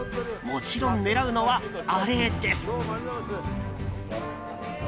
もちろん狙うのはあれです。